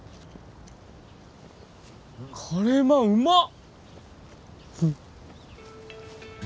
カレーまんうまっ！